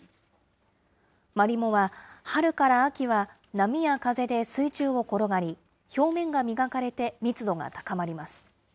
マリモは春から秋は波や風で水中を転がり、表面が磨かれて密度が高まります。